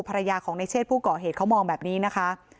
ภรรยาของในเชศผู้ก่อเหตุเขามองแบบนี้นะคะ